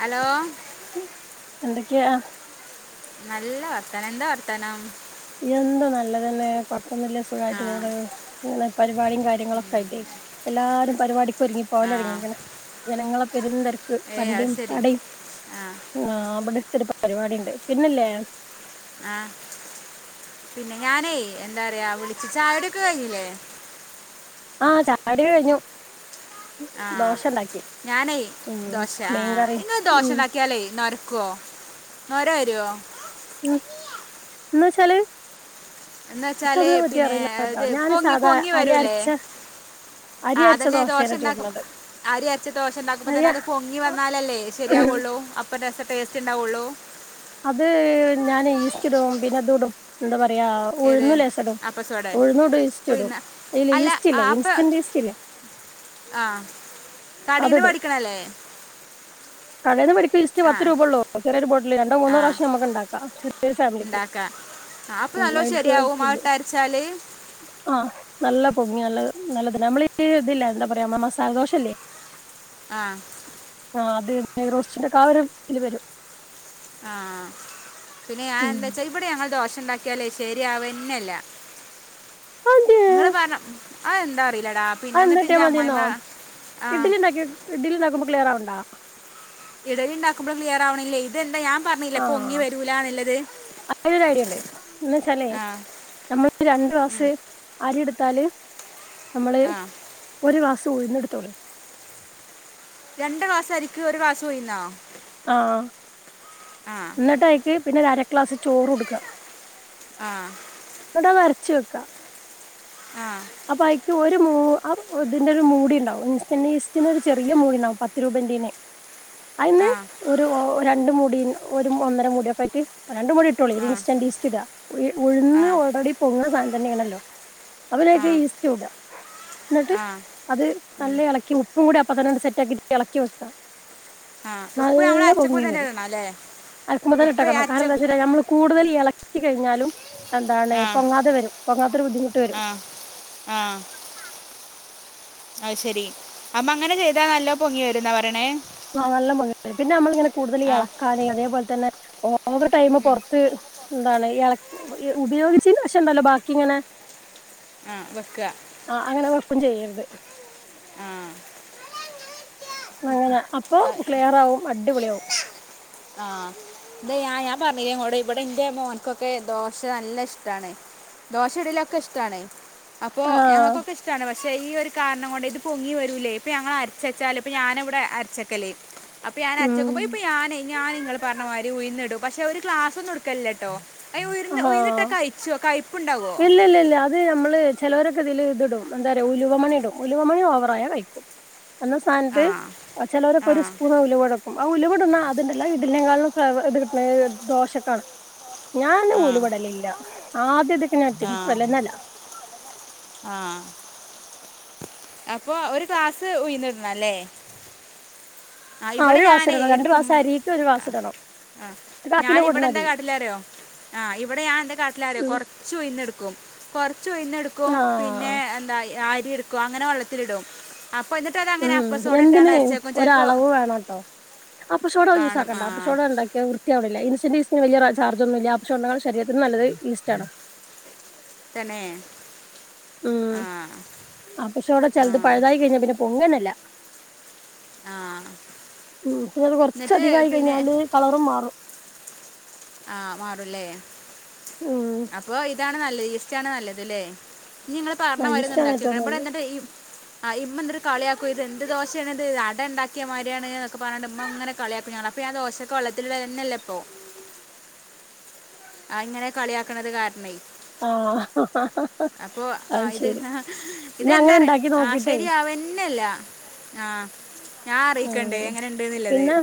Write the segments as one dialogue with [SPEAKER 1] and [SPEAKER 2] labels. [SPEAKER 1] Hello
[SPEAKER 2] എന്തൊക്കെയാ
[SPEAKER 1] നല്ല വർത്തനം എന്താ വർത്തനം
[SPEAKER 2] എന്ത് നല്ലതന്നെ കൊഴ പ്പം ഇല്ല
[SPEAKER 1] ആ
[SPEAKER 2] സുഖമായിട്ട് പോണ ഇങ്ങനെ പരിപാടിയും കാര്യങ്ങളൊക്കെ ആയിട്ടേ എല്ലാരും പരിപാടിക് ഒരുങ്ങിപ്പോ
[SPEAKER 1] ആ
[SPEAKER 2] പോവൽ തുടങ്ങിന് ജനങ്ങളെ പെരുന്തർക്ക്
[SPEAKER 1] ഏ അത്
[SPEAKER 2] വണ്ടിയും
[SPEAKER 1] ശരി
[SPEAKER 2] പടയും ആ അവിടെ അടുത്തരു പരിപാടി ഉണ്ട് പിന്നല്ലേ
[SPEAKER 1] ആഹ പിന്നെ ഞാനെ എന്താ പറയാ വിളിച്ച ചാഴ കുടിയൊക്കെ കഴിഞ്ഞില്ലേ
[SPEAKER 2] ആഹ ചായുടി കഴിഞ്ഞു
[SPEAKER 1] ആഹ
[SPEAKER 2] ദോശ ഇണ്ടാക്കി
[SPEAKER 1] ഞാനെ
[SPEAKER 2] ഉം
[SPEAKER 1] ദോശ ആഹ
[SPEAKER 2] മീൻകറിം
[SPEAKER 1] ഇങ്ങള് ദോശ
[SPEAKER 2] ഉം
[SPEAKER 1] ഉണ്ടാക്കിയാലേ ന്നരു ക്കുവോ നൊരവെരുവോ
[SPEAKER 2] ആ എന്ന് വെച്ചാല്
[SPEAKER 1] എന്ന് വെച്ചാൽ
[SPEAKER 2] ഇൻക്കതിനെ പറ്റി
[SPEAKER 1] പിന്നെ
[SPEAKER 2] അറീല്ല ട്ടോ
[SPEAKER 1] ഇത്
[SPEAKER 2] ഞാൻ
[SPEAKER 1] പൊങ്ങി പൊങ്ങി
[SPEAKER 2] അരി
[SPEAKER 1] വരൂലേ
[SPEAKER 2] അരച്ച ദോശേല്ല ചൂട്ണത്
[SPEAKER 1] ആരി അരച്ച ദോശ ഉണ്ടാക്കുമ്പ തന്നെ അത് പൊങ്ങി വന്നാലല്ലേ ശെരിയാവുള്ളൂ അപ്പം രസ ടേസ്റ്റ് ഉണ്ടാവൊള്ളൂ
[SPEAKER 2] അത് ഞാന് ഈസ്റ്റ്ടും പിന്നെതുടും എന്താ പറ്
[SPEAKER 1] ഏത്
[SPEAKER 2] ഉഴന്ന് ലേശടും
[SPEAKER 1] അപ്പസോടെ
[SPEAKER 2] ഉഴുന്നുടുംഈച്സ്റ്റ്ടും
[SPEAKER 1] പുഴുന്ന
[SPEAKER 2] ഇല്ല
[SPEAKER 1] അല്ല ആ,
[SPEAKER 2] ഈസ്റ്റ്ല്ലേ
[SPEAKER 1] അപ്പ
[SPEAKER 2] ഇൻസ്റ്റൻറ് ഇസ്റ്റ്ല്ലേ
[SPEAKER 1] ആ കടീന്ന് വേടിക്ക്ണല്ലേ
[SPEAKER 2] കടേന്ന് മേടിക് ഈസ്റ്റ് പത്ത് രൂപോള്ളൂ ചെറിയൊരു ബോട്ടില് രണ്ടോ
[SPEAKER 1] ആ
[SPEAKER 2] മൂന്നോ പ്രാവ്യം നമുക്ക് ഉണ്ടാക്ക ചെറിയൊരു ഫാമിലിക്ക്
[SPEAKER 1] ഉണ്ടാക്കാം ആ അപ്പ നല്ലോ
[SPEAKER 2] അതിലേക്ക്
[SPEAKER 1] ശരിയാവും
[SPEAKER 2] ഇല്ലേ?
[SPEAKER 1] അതിട്ടരച്ചാല്
[SPEAKER 2] ആ നല്ല പൊങ്ങി നല്ലത് നമ്മൾ ഈ ഇതില്ലേ എന്താ പറയാ അമ്മളെ മസാലദോശല്ലേ
[SPEAKER 1] ആ
[SPEAKER 2] ആ അത് നെയ് റോസ്റ്റിക്കെ ആ ഒരു ഇതിൽ വരും
[SPEAKER 1] ആ പിന്നെ ഞാ
[SPEAKER 2] ഉം.
[SPEAKER 1] എന്താ വച്ചാ ഇവിടെ ഞങ്ങൾ ദോഷ് ണ്ടാക്കിയാലേ ശെരിയാവെന്നല്ല ഇങ്ങള് പറഞം ആ എന്താ അറീ
[SPEAKER 2] ആന്താട്ടിയാമതീന്നോ
[SPEAKER 1] ആ
[SPEAKER 2] ഇഡ്ലി ഇണ്ടാകി ഇഡ്ലി ണ്ടക്കുമ്പോ ക്ലിയറാവ്ണ്ടോ
[SPEAKER 1] ഇടലി ഇണ്ടാക്കുമ്പളും ക്ലിയറാണില്ലേ ഇതെന്താ ഞാൻ പറഞ്ഞില്ല പ്പൊങ്ങി വെരൂലന്ന്ള്ളത്
[SPEAKER 2] അയിന് ഒരൈഡ്യണ്ട് എന്ന്ച്ചാലേ നമ്മൾ രണ്ട്
[SPEAKER 1] ഉം,
[SPEAKER 2] ക്ലാസ്സ് അരിത്ത് ത്താല് നമ്മള്
[SPEAKER 1] ആ
[SPEAKER 2] ഒരു ക്ലാസ് ഉഴുന്ന് ഇട്ത്തോളീ
[SPEAKER 1] രണ്ട് ക്ലാസ് അരിക്ക് ഒരു ക്ലാസ് ഉയിന്നോ
[SPEAKER 2] ആ ഇന്നട്ടയ്ക്ക് പിന്നെ ഒര് അരക്ലാസ് ചോറുട്ക്കാ
[SPEAKER 1] ആ
[SPEAKER 2] ച് വെക്കാ
[SPEAKER 1] ആ
[SPEAKER 2] അപ്പൊ അയിക്ക് ഒരു മൂ ഇതിന്റെ ഒരു മൂടി ഉണ്ടാവും ഇൻസ്റ്റൻ്റ് ഈസ്റ്റിൻ്റെ ഒരു ചെറിയ മൂടി ഉണ്ടാവും പത്ത് രൂപ് പിന്നെ
[SPEAKER 1] ആ
[SPEAKER 2] അയിന്ന് ഒരു രണ്ട് മുടി ഒരു ഒന്നര മുടിയൊകായിറ്റ് രണ്ട് മുടി ഇട്ടോളി
[SPEAKER 1] ആ
[SPEAKER 2] ഇത് ഇൻസ്റ്റന്റ് ഈസ്റ്റ് ഇടാ
[SPEAKER 1] ആ
[SPEAKER 2] ഉഴന്ന് ഓൾറെഡി പൊങ്ങ്ണ സാനം തന്നേണല്ലോ
[SPEAKER 1] ആ
[SPEAKER 2] ഈസ്റ്റും ഇടാ ന്നട്ട്
[SPEAKER 1] ആ
[SPEAKER 2] അത് നല്ലോ എളക്കി ഉപ്പും കൂടി അപ് അപ്പതെന്നാട്ട് സെറ്റാക്കക്കിട്ട് എളക്കി വെക്കാ
[SPEAKER 1] ആ ഉപ്പ് നമ്മള അരച്ചപ്പം തന്നെ ഇടണം ല്ലേ
[SPEAKER 2] അരക്കുമ്പം തെന്നെ ഇട്ടെകണം കാരണംന്താ വെച്ചാ നമ്മള് കൂടുൽ എളക് എളകി കഴിഞ്ഞാലും എന്താണ്
[SPEAKER 1] ആ
[SPEAKER 2] പൊങ്ങാതെ വരും പൊങ്ങാത്തൊരു ബുദ്ധിമുട്ട് വരും
[SPEAKER 1] ആ ആ അത് ശരി അപ്പ അങ്ങനെ ചെയ്താ നല്ലോ പൊങ്ങി വരുംന്നാ പറിണേ
[SPEAKER 2] ആ നല്ലംപൊങ്ങി വരും പിന്നെ അമ്മളിങ്ങനെ കൂടുതൽ
[SPEAKER 1] ആ
[SPEAKER 2] എളക്കാന് അതേപോലെ തന്നെ ഓവർ ടൈമ് പൊർത്ത് എന്താണ് എൾ ഇ ഉപയോഗിച്ചീന്ന് ശേഷണ്ടല്ലോ ബാക്കി ഇങ്ങനെ
[SPEAKER 1] ആ വെക്കുക
[SPEAKER 2] ആഹ് അങ്ങനെ വെക്കും ചെയ്യരുത്
[SPEAKER 1] ആ
[SPEAKER 2] അങ്ങനെ അപ്പൊ
[SPEAKER 1] അത്
[SPEAKER 2] ക്ലിയർ ആവും അടിപൊളിയാവും
[SPEAKER 1] ആ ഇത് ഞാൻ ഞാൻ പറഞ്ഞില്ലേ ഇങ്ങളോട് ഇവിടെ ഇന്റെ മോൻക്കൊക്കെ ദോശ നല്ല ഇഷ്ടാണ് ദോശി ഇഡ്ലിയൊക്കെ ഇഷ്ടാണ് അപ്പോ
[SPEAKER 2] ആഹ്
[SPEAKER 1] ഞങ്ങൾക്കൊക്കെ ഇഷ്ടമാണ് പക്ഷെ ഈ ഒരു കാര് കൊണ്ട് ഇത് പൊങ്ങി വരൂലേ ഇപ്പ ഞങ്ങള് അരച്ചച്ചാല് ഇപ്പ ഞാനാ ഇവടെ അരച്ചക്കല് അപ്പൊ ഞൻ
[SPEAKER 2] ഉം
[SPEAKER 1] അര്ച്ചെക്കുമ്പ ഇപ്പ ഞാനെ ഞാൻ നിങ്ങള് പർ ഉഴുന്നിടും പക്ഷെ ഒരു ക്ലാസ്സ് ഒന്നും എടുക്കലില്ല കേട്ടോ ഉഴുന്ന് ഉഴുന്നിട്ടാ
[SPEAKER 2] ആഹ്
[SPEAKER 1] കയ്ച്ച് പോവും കയ്പ്പ്
[SPEAKER 2] ഇല്ല ഇല്ല ഇല്ല അത് നമ്മള് ചിലവരൊക്കെ ഇതില് ഇത് ഇടും എന്താ പറയാ ഉലുവമണി ഇടും ഉലുവമണി ഓവറായാ കയ്‌ക്കും എന്ന
[SPEAKER 1] ആ
[SPEAKER 2] സ്ഥാനത്ത് ചിലവരൊക്കെ
[SPEAKER 1] ആ
[SPEAKER 2] ഒരു സ്പൂണ് ഉലുവ ഇടും ആഹ് ഉലുവ ഇടുന്ന അത്ണ്ടല്ലോ ഇഡലിയേക്കാളും ഇത് കിട്ടണേ ദോശക്കാണ് ഞാൻ
[SPEAKER 1] ആ
[SPEAKER 2] ഉലുവ ഇടലില്ല ആദ്യത്തെ
[SPEAKER 1] ആ ആ
[SPEAKER 2] [unintelligible]
[SPEAKER 1] അപ്പൊ ഒരു ഗ്ലാസ് ഉയുന്നിടണം അല്ലേ ആഹ്
[SPEAKER 2] ആ
[SPEAKER 1] ഇവിടെ
[SPEAKER 2] ഒരു ക്ലാസ്
[SPEAKER 1] ഞാനേ
[SPEAKER 2] ഇടണം രണ്ട് ക്ലാസ്
[SPEAKER 1] എടുക്കുമ്മ
[SPEAKER 2] അരിക്ക് ഒരു ക്ലാസ് ഇടണം
[SPEAKER 1] ആഹ്
[SPEAKER 2] ഒരു കാ
[SPEAKER 1] ഞാൻ
[SPEAKER 2] കിലോ
[SPEAKER 1] ഇവിടെ
[SPEAKER 2] കൊടുന്ന
[SPEAKER 1] എന്താ
[SPEAKER 2] മതി
[SPEAKER 1] കാട്ടിലാറിയോ ആഹ് ഇവിടെ ഞാൻ എന്ത കാട്ടിലാറിയോ
[SPEAKER 2] ഉം
[SPEAKER 1] കൊറച്ച് ഉഴുന്ന് എടുക്കും കൊറച്ച് ഉഴുന്ന് എടുക്കും പിന്നെ
[SPEAKER 2] ആഹ്
[SPEAKER 1] എന്താ അരി എടുക്കും അങ്ങനെ വെള്ളത്തിലിടും അപ്പൊ എന്നിട്ട് അതെങ്ങനാ അപ്പ സോഡ ഇട്ടാണോ അരച്ചേ ചെലപ്പോ
[SPEAKER 2] വേണം കേട്ടോ അപ്പ സോഡ യൂസ് ആക്കണ്ട
[SPEAKER 1] ആ
[SPEAKER 2] അപ്പസോഡാ ഉണ്ടാക്കിയ വൃത്തിയാവി ഇൻസ്റ്റന്റ് ഈസ്റ്റിന് വലിയ ചാർജ്ജ് ഒന്നും ഇല്ല പക്ഷെ നമ്മളെ ശരീത്തിന് നല്ലത് ഈസ്റ്റ് ആണ്
[SPEAKER 1] തന്നെ
[SPEAKER 2] ഉം
[SPEAKER 1] ആ
[SPEAKER 2] അപ്പസോഡ
[SPEAKER 1] ആ
[SPEAKER 2] ചിലത് പഴുതായി കഴിഞ്ഞ പിന്നെ ട്ടണില്ല
[SPEAKER 1] ആഹ്
[SPEAKER 2] ഉം പിന്നെ അത് കൊറച്ചധികം ആയി കഴിഞ്ഞാല് കളറും മാറും
[SPEAKER 1] ആഹ് മാറൂല്ലേ
[SPEAKER 2] ഉം
[SPEAKER 1] അപ്പോ ഇതാ നല്ലത് ഈസ്റ്റാണ് നല്ലത് ല്ലേ ഇനി നിങ്ങള് പറഞ്ഞ
[SPEAKER 2] ആ
[SPEAKER 1] മാതിരി ഒന്ന്
[SPEAKER 2] ഈസ്റ്റാണ്
[SPEAKER 1] ഇണ്ടാക്കി
[SPEAKER 2] ഏറ്റവും
[SPEAKER 1] വെക്കണം ഇവിടെ
[SPEAKER 2] നല്ലത്
[SPEAKER 1] എന്നിട്ട് ഈ ആ ഇമ്മ എന്ത്‌ര് കളിയാക്കും ഇത് എന്ത് ദോശയാണ് ഇത് അട ഇണ്ടാക്കിയ മാതിരിയാണ് എന്നൊക്കെ പറഞ്ഞിണ്ട് ഇമ്മ ഇങ്ങനെ കളിയാക്കും ഞങ്ങളെ ആ ദോശയൊക്കെ വെള്ളത്തിലുള്ളത് തന്നെയല്ലേ അപ്പോ ആഹ് ഇങ്ങനെ കളിയാക്കണത് കാരണായി
[SPEAKER 2] ആഹ്
[SPEAKER 1] അപ്പോ ആ
[SPEAKER 2] അത്
[SPEAKER 1] ഇത്
[SPEAKER 2] ശരി ഞാൻ
[SPEAKER 1] ഇതെന്താ
[SPEAKER 2] അങ്ങനെ
[SPEAKER 1] പറ
[SPEAKER 2] ഉണ്ടാക്കി
[SPEAKER 1] ആഹ്
[SPEAKER 2] നോക്കിട്ടേ
[SPEAKER 1] ശരിയാവന്നെയില്ല ആഹ്
[SPEAKER 2] ഉം പിന്നെ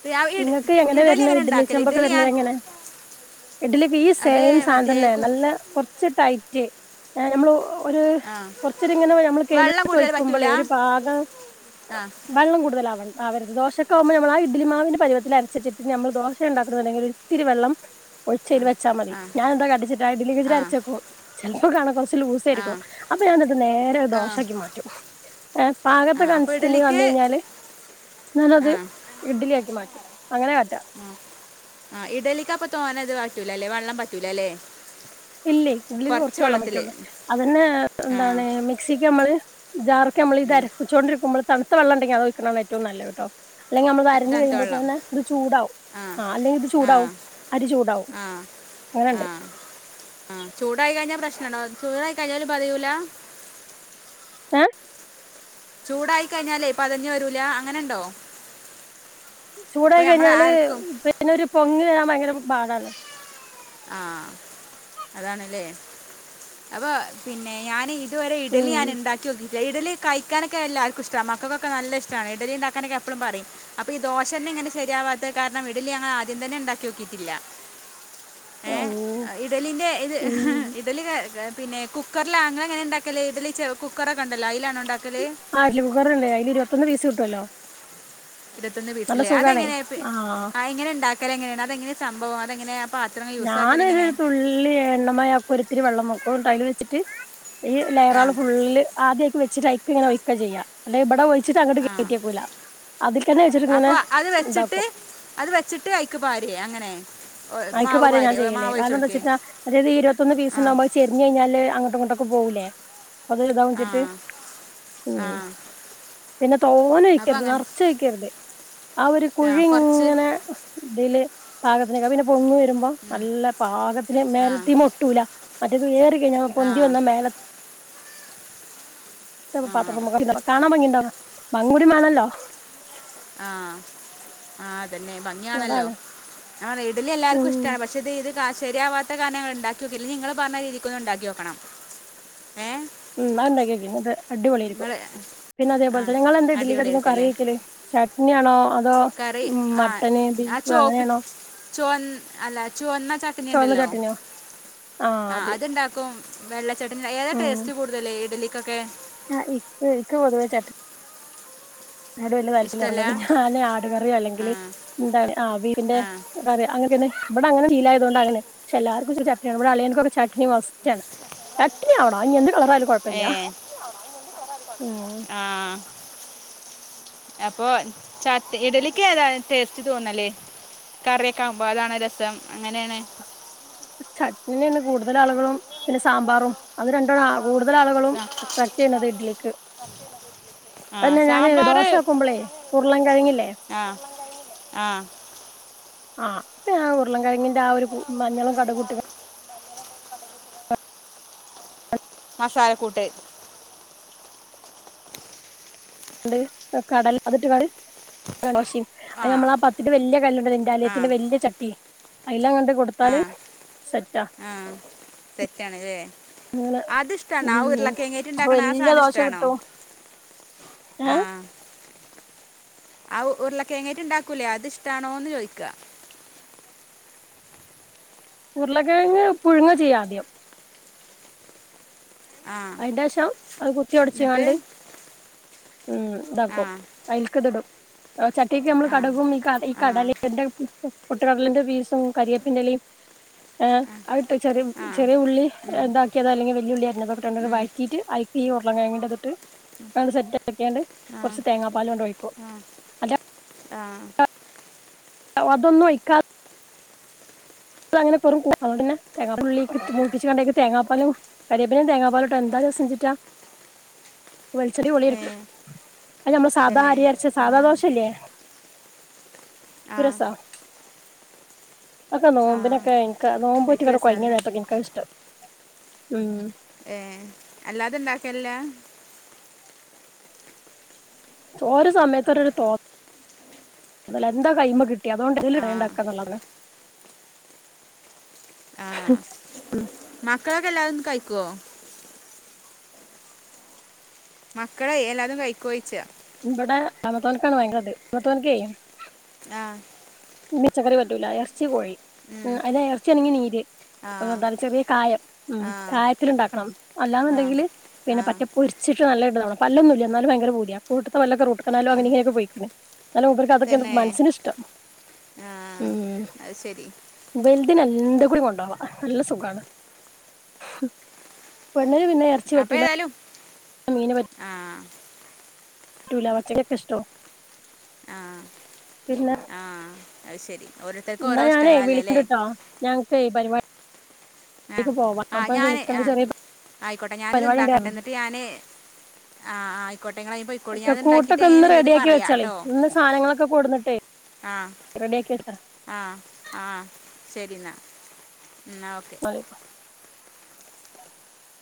[SPEAKER 1] ഇത് ആ ഇഡ്-
[SPEAKER 2] നിങ്ങക്ക് എങ്ങനെ വരണേ ഇഡലി
[SPEAKER 1] ഉണ്ടാക്കല്
[SPEAKER 2] ചെമ്പൊക്കെ വരണത്
[SPEAKER 1] ഞാൻ
[SPEAKER 2] എങ്ങനെ ഇഡലി ഈ
[SPEAKER 1] അത്
[SPEAKER 2] സെയിം സാധനം
[SPEAKER 1] മറ്റേ
[SPEAKER 2] തന്നെ
[SPEAKER 1] കു
[SPEAKER 2] നല്ല കുറച്ച് ടൈറ്റ് നമ്മള് ഒരു
[SPEAKER 1] ആ
[SPEAKER 2] കുറച്ചൊരു ഇങ്ങനെ നമ്മൾ
[SPEAKER 1] വെള്ളം
[SPEAKER 2] കയ്യിലെടുത്ത്
[SPEAKER 1] കൂടുതൽ പറ്റൂല
[SPEAKER 2] വയ്ക്കുമ്പോളേ ഒരു പാകം
[SPEAKER 1] ആ
[SPEAKER 2] കൂടുതലവ ആവരുത് ദോശക്കാകുമ്പോ നമ്മൾ ആ ഇഡലി മാവിന്റെ പരുവത്തിൽ അരച്ച് വച്ചിട്ട് നമ്മൾ ദോശ ഉണ്ടാക്കുന്നുണ്ടെങ്കിൽ ഇത്തിരി വെള്ളം ഒഴിച്ച് അതിൽ വച്ചാൽ മതി
[SPEAKER 1] ആ
[SPEAKER 2] ഞാൻ എന്താ കാട്ടിച്ചിട്ടാ ഇഡ്ഡലി
[SPEAKER 1] ആ
[SPEAKER 2] അരച്ചേക്കും ചിലപ്പോ കാണാം കുറച്ച് ലൂസ്
[SPEAKER 1] ആ
[SPEAKER 2] ആയിരിക്കും അപ്പൊ ഞാൻ എന്ത് കാട്ടും നേരെ അത്
[SPEAKER 1] ആ
[SPEAKER 2] ദോശയാക്കി മാറ്റും ഏഹ്
[SPEAKER 1] ആ അപ്പോൾ
[SPEAKER 2] [unintelligible]
[SPEAKER 1] ഇഡലിക്ക്
[SPEAKER 2] കഴിഞ്ഞാല് ഞാനത് ഇഡലി ആക്കി മാറ്റും അങ്ങനെ കാട്ടല്.
[SPEAKER 1] ആഹ് ആഹ് ഇഡലിക്ക് അപ്പൊ തോനേ ഇത് പറ്റൂല അല്ലെ വെള്ളം പറ്റൂല അല്ലേ
[SPEAKER 2] ഇല്ലേ ഇതില് കുറച്ച് വെള്ളം പറ്റുള്ളൂ അതന്നെ
[SPEAKER 1] ആ
[SPEAKER 2] എന്താണ് മിക്സി ക്ക് നമ്മള് ജാറക്കെ നമ്മള് ഇതരകുച്ചോണ്ടിരിക്കുമ്പോള് തണുത്ത വെള്ളം ഉണ്ടെങ്കി അതൊഴിക്കണാണ് ഏറ്റവും നല്ലത് ട്ടോ അല്ലെങ്കി നമ്മൾത്
[SPEAKER 1] ത-
[SPEAKER 2] അരഞ്ഞ്
[SPEAKER 1] തണുത്ത
[SPEAKER 2] വരുമ്പോ
[SPEAKER 1] വെള്ളം
[SPEAKER 2] തന്നെ ഇത് ചൂടാവും
[SPEAKER 1] ആ
[SPEAKER 2] ആഹ് അല്ലെങ്കിൽ ഇത്
[SPEAKER 1] ആ
[SPEAKER 2] ചൂടാവും അരി ചൂടാവും
[SPEAKER 1] ആ
[SPEAKER 2] അങ്ങനൊണ്ട്
[SPEAKER 1] ആഹ് ചൂടായി കഴിഞ്ഞാൽ പ്രശ്നം ഉണ്ടോ ചൂടായി കഴിഞ്ഞാലും പതയൂലാ
[SPEAKER 2] ഏഹ്
[SPEAKER 1] ചൂടായി കഴിഞ്ഞാലേ പതഞ്ഞു വരൂല അങ്ങനെ ഇണ്ടോ
[SPEAKER 2] ചൂടായി കഴിഞ്ഞാല് പിന്നെ ഒരു പൊങ്ങി വരാൻ ഭയങ്കര പാടാണ്
[SPEAKER 1] ആഹ് അതാണല്ലേ അപ്പൊ പിന്നെ ഞാന് ഇതുവരെ ഇഡലി
[SPEAKER 2] ഉം
[SPEAKER 1] ഞൻ ഇണ്ടാക്കി നോക്കി ഇഡലി കഴിക്കാനൊക്കെ എല്ലാവർക്കും ഇഷ്ടാ മക്കൾക്കൊക്കെ നല്ല ഇഷ്ടാ ഇഡലി ഇണ്ടാക്കാനൊക്ക എപ്പളും പറയും അപ്പൊ ഈ ദോശന്നെ ഇങ്ങനെ ശെരിയാവാത്ത കാരണം ഇഡലി ഞങ്ങൾ ആദ്യം തന്നെ ഇണ്ടാക്കി നോക്കിട്ടില്ല
[SPEAKER 2] ഓ
[SPEAKER 1] ഏഹ് ഇഡലിന്റെ ഇത്
[SPEAKER 2] ഉം
[SPEAKER 1] ഇഡലി ക പിന്നെ കുക്കറിലാ ഇങ്ങൾ എങ്ങനെ ഉണ്ടാക്കല് ഇഡലി കുക്കർ ഒക്കെ ഉണ്ടല്ലോ അതിലാണോ ഉണ്ടാക്കല്
[SPEAKER 2] ആ ജൂഗറല്ലേ അതില് ഇരുപത്തൊന്ന് പീസ് കിട്ടുവല്ലോ
[SPEAKER 1] ഇരുപത്തൊന്ന് പീസില്ലേ അതെങ്ങനെയ ആ എങ്ങനെ ഉണ്ടാക്കല് എങ്ങനെയാണ് അതെങ്ങനെയാണ് സംഭവം അതെങ്ങനെയ
[SPEAKER 2] ഞാനൊരു തുള്ളി എണ്ണമയാക്കും ഒത്തിരി വെള്ളം നോക്കും ടൈൽ വെച്ചിട്ട് ഈ
[SPEAKER 1] ആ
[SPEAKER 2] ലെയറ ഫുള് ആദ്യം ഒക്കെ വെച്ചിട്ട് ടൈപ്പ് ഇങ്ങനെ വെക്കുക ചെയ്യ അല്ല ഇവിടെ വിളിച്ചിട്ട് അങ്ങട്ട് കേക്കൂല
[SPEAKER 1] അപ്പൊ അത് വെച്ചിട്ട് അത് വെച്ചിട്ട് കയിക്ക് പടില്ല അങ്ങനെ ഒ-
[SPEAKER 2] ആയിക്ക്
[SPEAKER 1] മാവ്
[SPEAKER 2] പകരം ഞാൻ
[SPEAKER 1] പാരേ ഒ-
[SPEAKER 2] ചെയ്യല്ലേ
[SPEAKER 1] മാവ് ഒഴിച്ച്
[SPEAKER 2] കാരണം എന്താ
[SPEAKER 1] കൊടുക്കേ
[SPEAKER 2] വെച്ചട്ടാ അതായത് ഇരുപത്തൊന്ന്
[SPEAKER 1] ആ
[SPEAKER 2] പീസ് നമ്മൾ ചെരിഞ്ഞ് കഴിഞ്ഞാല് അങ്ങ അങ്ങേട്ട് ഒക്കെ പോകൂലേ അത് ഇതാ
[SPEAKER 1] ആ
[SPEAKER 2] വച്ചിട്ട്
[SPEAKER 1] ആ
[SPEAKER 2] പിന്നെ തോന
[SPEAKER 1] അപ്പോൾ
[SPEAKER 2] ഒഴിക്കരുത്
[SPEAKER 1] അങ്ങനെ
[SPEAKER 2] നറച്ച് ഒഴിക്കരുത് ആ ഒരു കുഴി ഇങ്ങനെ ഇതില് പാകത്തിനേക്കെ പിന്നെ പൊങ്ങി വരുമ്പോ നല്ല പാകത്തിന്
[SPEAKER 1] ആ
[SPEAKER 2] മേലത്തി മൊട്ടൂല മറ്റൊനീ പിന്നെ
[SPEAKER 1] ആ
[SPEAKER 2] പൊന്തി വന്ന മേല ഇത്ര
[SPEAKER 1] ആ
[SPEAKER 2] പാത്ര നമുക്ക് കാണാൻ ഭംഗിണ്ടാവ ഭംഗിയും കൂടി വേണല്ലോ
[SPEAKER 1] ആ ആ തന്നെ ഭംഗിയാണല്ലോ
[SPEAKER 2] അതാണ്
[SPEAKER 1] ആണ് ഇഡലി
[SPEAKER 2] ഉം
[SPEAKER 1] എല്ലാവർക്കും ഇഷ്ട്ട പക്ഷെ ഇത് ആ ശരിയാവാത്ത കാരണം ഞങ്ങള് ഉണ്ടാക്കി നോകില്ല ഇനി നിങ്ങൾ പറഞ്ഞ രീതിക്ക് ഒന്ന് ഉണ്ടാക്കി നേക്കണം ഏ
[SPEAKER 2] ഉം ഇന്നാ ഉണ്ടാക്കി നേക്കിയത് അടിപൊളിയായ്രിക്കും.
[SPEAKER 1] നിങ്ങൾ
[SPEAKER 2] പിന്നെ
[SPEAKER 1] ആ
[SPEAKER 2] അതേപോലെ തന്നെ ഇങ്ങളെന്താ ഇഡലീക്ക് അധികം
[SPEAKER 1] അടിപൊളിയായിരിക്കും
[SPEAKER 2] കറി
[SPEAKER 1] അല്ലേ
[SPEAKER 2] ഒഴിക്കല് ചട്നിയാണോ അതോ
[SPEAKER 1] കറി
[SPEAKER 2] ഉം
[SPEAKER 1] ആ
[SPEAKER 2] മട്ടന്
[SPEAKER 1] ആ
[SPEAKER 2] ബീഫ്
[SPEAKER 1] ചോപ്പ്
[SPEAKER 2] അങ്ങനെയാണോ
[SPEAKER 1] ചുവ അല്ല ചുവന്ന ചട്നി
[SPEAKER 2] ചുവന്ന
[SPEAKER 1] ഉണ്ടല്ലോ
[SPEAKER 2] ചട്നിയോ ആഹ്
[SPEAKER 1] ആ
[SPEAKER 2] അത്
[SPEAKER 1] അത്ണ്ടാക്കും ചട്നി ഏതാ ടേസ്റ്റ് കൂടുതല് ഇഡലിക്കൊക്കെ
[SPEAKER 2] ആ ഇക്ക് ഇൻക്ക് പൊതുവെ ചട് നിനോട് വലിയ
[SPEAKER 1] ഇഷ്ടമല്ല
[SPEAKER 2] താല്പര്യം ഇല്ല പർഞ്ഞത്. അല്ലേ ആട്കറിയോ
[SPEAKER 1] ആ
[SPEAKER 2] അല്ലെങ്കില് എന്താണ് ആ ബിഫിന്റെ
[SPEAKER 1] ആ
[SPEAKER 2] കറി അങ്ങനൊക്കേണ് ഇവിടെ അങ്ങനെ ശീലായതോണ്ട് അങ്ങനെ പക്ഷെ എല്ലാർക്കും ഇച്ചിരി ചട്ണി വേണം ഇവിടെ അളിയനിക്കൊക്കെ ചട്ണി മസ്റ്റാണ് ചട്നി ആവണം അ ഇഞ് എന്ത് കളറായാലും കുഴപ്പില്ല
[SPEAKER 1] കളറായാലും കുഴപ്പല്ല. ആഹ് അപ്പൊ ചട് ഇഡലിക്ക് ഏതാ ടേസ്റ്റ് തോന്നല് കറിയൊക്കെ ആവുമ്പൊ അതാണൊ രസം അങ്ങനെണ്
[SPEAKER 2] ചട്നി തന്നെ കൂടുതൽ ആളുകളും പിന്നെ സാമ്പാറും അത് രണ്ടൂ ആണ് ആ കൂടുതൽ ആളുകളും
[SPEAKER 1] സ-
[SPEAKER 2] [unintelligible] ചെയ്യുന്നത് ഇഡലിക്ക്
[SPEAKER 1] ആ
[SPEAKER 2] പിന്നെ ഞാന്
[SPEAKER 1] സാമ്പാർ
[SPEAKER 2] ദോശ വെക്കുമ്പളേ ഉരുളൻ കിഴങ്ങില്ലേ
[SPEAKER 1] ആ ആ
[SPEAKER 2] ആ അപ്പം ഞാൻ ഉരുളൻ കിഴങ്ങിന്റെ ആ ഒരു കു മഞ്ഞളും കടുകും ഇട്ട് ക
[SPEAKER 1] മസാലക്കൂട്ട്
[SPEAKER 2] ണ്ട് കടല അതിട്ട് കാണ്ട് ദോശിം അതിന് നമ്മള് ആ പത്തിരി വല്യ കല്ലുണ്ടല്ലോ
[SPEAKER 1] ആ
[SPEAKER 2] ഇൻ്റാലിയത്തിൻ്റെ വല്യ ചട്ടി അയിലങ്ങട്
[SPEAKER 1] ആ ആ തെറ്റാണ്ല്ലേ അത് ഇഷ്ടാണോ ആ
[SPEAKER 2] ഉം
[SPEAKER 1] ഉരുളക്കിഴങ്ങേറ്റ്
[SPEAKER 2] അപ്പൊ
[SPEAKER 1] ഉണ്ടാക്ണ ആ
[SPEAKER 2] വല്യ
[SPEAKER 1] സാധനം
[SPEAKER 2] ദോശ
[SPEAKER 1] ഇഷ്ടാണോ
[SPEAKER 2] കിട്ടും ഏഹ്
[SPEAKER 1] ആ ഉരുളകിഴങ്ങേറ്റ് ഉണ്ടാക്കൂലേ അത് ഇഷ്ടാണോന്ന് ചോദിക്ക
[SPEAKER 2] ഉരുളകിഴങ്ങ് പുഴുങ്ങ ചെയ്യാ ആദ്യം
[SPEAKER 1] ആ
[SPEAKER 2] അയിന്റെശം അത്
[SPEAKER 1] എന്നിട്ട്
[SPEAKER 2] കുത്തിയൊടച്ച്കാണ്ട് ഉം
[SPEAKER 1] ആ
[SPEAKER 2] ഇതാകും അയിൽക്ക് ഇത്ടും ഓ ചക്ക്യക്ക് നമ്മള്
[SPEAKER 1] ആ
[SPEAKER 2] കടകും ഈ ഈ
[SPEAKER 1] ആ
[SPEAKER 2] കടലേൻ്റെ [unintelligible] പൊട്ട് കടലേന്റെ ഫീസും കരിയപ്പിൻ്റെയിലയും ഏഹ് അഅ് ട്ട് ചെറിം
[SPEAKER 1] ആ
[SPEAKER 2] ചെറിയ ഉള്ളി
[SPEAKER 1] ഉം
[SPEAKER 2] ഇതാക്കിയത് അല്ലെങ്കിൽ വെല്യുള്ളി അരിഞ്ഞതൊ ഇട്ടാട്ടാണ്ട്
[SPEAKER 1] ഉം
[SPEAKER 2] വഴറ്റിട്ട് അയ്ക്ക് ഈ ഉരുളകിഴങ്ങിൻ്റെ ഇത്ട്ട് അതാണ്ട് സെറ്റ് ആക്കിയാണ്ട്
[SPEAKER 1] ആ
[SPEAKER 2] കുറച്ച് തേങ്ങാപ്പാലും ആണ്ട് ഒഴിക്കും
[SPEAKER 1] ആ
[SPEAKER 2] അല്ല
[SPEAKER 1] ആ
[SPEAKER 2] അതൊന്നും ഒഴിക്കാ തെ അങ്ങനെ വെറും [unintelligible] അതോണ്ടിന്നെ തേങ്ങാ [unintelligible] ഉള്ളിക്ക്ട്ത്ത് മൂപ്പിച്ച്കാണ്ട് അയ്ക്ക് തേങ്ങാപ്പാലും കരിയേപ്പിൻ്റെലിം തേങ്ങാപ്പാലും ഇട്ട് എന്താ ര സംഞ്ചിട്ടാ
[SPEAKER 1] [inaudible]
[SPEAKER 2] വെളിച്ചെറി
[SPEAKER 1] ഏ
[SPEAKER 2] പൊളിരിക്കും. അത് ഞമ്മൾ സാധാ
[SPEAKER 1] തന്നെ
[SPEAKER 2] അരി അരച്ച
[SPEAKER 1] ആ
[SPEAKER 2] സാദാ ദോശല്ലേ തു
[SPEAKER 1] ആ
[SPEAKER 2] രസാ
[SPEAKER 1] ആ
[SPEAKER 2] നോമ്പിനൊക്കെ ഇൻക്ക്. നോമ്പ്
[SPEAKER 1] എനിക്ക്
[SPEAKER 2] നോറ്റ് കൊഴങ്ങിയ
[SPEAKER 1] രസമാണല്ലേ
[SPEAKER 2] നേരത്തൊക്കെ ഇൻക്ക താ ഇഷ്ടം ഉം
[SPEAKER 1] ഏഹ് അല്ലാതെ ഇണ്ടാക്കൽല്ല
[SPEAKER 2] ഓരൊ സമയത്തൊരരൊ തോ ന്നല. എന്താ കൈമ കിട്ടിയെ അതോണ്ട്
[SPEAKER 1] ആ
[SPEAKER 2] [unintelligible] ഇണ്ടാക്കാന്നുള്ളതാണ്
[SPEAKER 1] ആ
[SPEAKER 2] ഉം
[SPEAKER 1] മക്കളൊക്കെ എല്ലാരും കഴിക്കോ മക്കളെ എല്ലാതും കൈക്കോ ചോയ്ച്ച
[SPEAKER 2] ഇവിടെ അമത്തോൻക്കാണ് ഭയങ്കരത്. അമത്തോൻക്കെ
[SPEAKER 1] ആ
[SPEAKER 2] മിച്ചക്കറി പറ്റൂല. എറച്ചി കോഴി.
[SPEAKER 1] ഉം
[SPEAKER 2] അയ്‌ലെ എറച്ചി അണെങ്കി നീര്
[SPEAKER 1] ആ
[SPEAKER 2] [unintelligible] ചെറിയ കായം. ഉം
[SPEAKER 1] ആ
[SPEAKER 2] കായത്തില് ഇണ്ടാക്കണം.
[SPEAKER 1] ആ
[SPEAKER 2] അല്ലാന്നുണ്ടെങ്കില്
[SPEAKER 1] ആ
[SPEAKER 2] പിന്നെ പറ്റെ പൊരിച്ച് [unintelligible] പല്ലൊന്നുല്ല. എന്നാലും ഭയങ്കര പൂതിയ. കോട്ട്ത്തെ പല്ലൊക്ക റൂട്ട് കനാലും അങ്ങനിം ഇങ്ങനൊക്കെ പൊയിക്ക്ണ് ഇന്നാലും മൂപ്പർക്ക് അതൊക്കെ ആണ്
[SPEAKER 1] തന്നെ
[SPEAKER 2] മനസ്സിന് ഇഷ്ടം.
[SPEAKER 1] ആ
[SPEAKER 2] ഊം
[SPEAKER 1] അത് ശരി
[SPEAKER 2] ബെൽ തിലെന്തെകൂടി കൊണ്ടോണം അല്ല സുഖാണ് ഹും [unintelligible] ഇങ്ങള് പിന്നെ എർച്ചി
[SPEAKER 1] അപ്പോൾ
[SPEAKER 2] പറ്റൂല
[SPEAKER 1] ഏതായാലും
[SPEAKER 2] മീന പ
[SPEAKER 1] ആ
[SPEAKER 2] റ്റൂല വച്ചതൊക്കെഷ്ടാ
[SPEAKER 1] ആ
[SPEAKER 2] പിന്നെ
[SPEAKER 1] ആ അത് ശരി ഓരോരുത്തർക്കും
[SPEAKER 2] എന്നാ
[SPEAKER 1] ഓരോ
[SPEAKER 2] ഞാനേ
[SPEAKER 1] ഇഷ്ടങ്ങളല്ലേ അല്ലേ
[SPEAKER 2] വിളിക്കണ്ട്ട്ടോ ഞൻക്കെ പരിവാ
[SPEAKER 1] ആഹ് ആഹ് ഞാന്
[SPEAKER 2] വിളിക്കണ്ട്
[SPEAKER 1] ആഹ്
[SPEAKER 2] ചെറിയ
[SPEAKER 1] ആയിക്കോട്ടെ ഞാന്ത്
[SPEAKER 2] പരിപാടി
[SPEAKER 1] ണ്ടാക്കട്ടെ
[SPEAKER 2] ഉണ്ടായിരുന്നു
[SPEAKER 1] എന്ന്ട്ട് ഞാന് ആഹ് ആഹ് അയ്ക്കോട്ടെ ഇങ്ങളയ്ന് പൊയ്ക്കോളി
[SPEAKER 2] ഒക്കെ
[SPEAKER 1] ഞാന് ത്ണ്ടാക്കീട്ട്
[SPEAKER 2] കൂട്ടൊക്കെ ഒന്ന്
[SPEAKER 1] അയ്ന്ന്ല്ലത്
[SPEAKER 2] റെഡിയാക്കി
[SPEAKER 1] പറയാ
[SPEAKER 2] വെച്ചാളി
[SPEAKER 1] ട്ടോ
[SPEAKER 2] ഇന്ന് സാധനങ്ങളൊക്കെ കൊടുന്നിട്ടേ
[SPEAKER 1] ആഹ്
[SPEAKER 2] റെഡിയാക്കി
[SPEAKER 1] ആഹ് ആഹ് ശെരി ന്നാ ന്നാ ഓക്കെ
[SPEAKER 2] വെച്ചോ